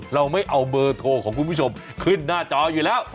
เราไม่เอาเบอร์โทรของคุณผู้ชมขึ้นหน้าจออยู่แล้ว